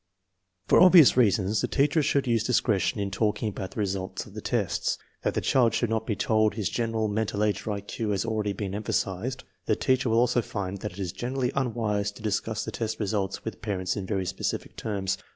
THE USE OF MENTAL TESTS 299 For obvious reasons the teacher should use discretion in talking about the results of the tests. That the child should not be told his mental age or I Q has al ready been emphasized. The teacher will also find that it is generally unwise to discuss the test results with parents in very specific terms.